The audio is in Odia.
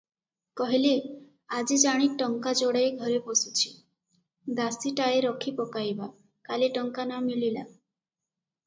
କହିଲେ, "ଆଜି ଜାଣି ଟଙ୍କା ଯୋଡ଼ାଏ ଘରେ ପଶୁଛି, ଦାସୀଟାଏ ରଖି ପକାଇବା, କାଲି ଟଙ୍କା ନ ମିଳିଲା!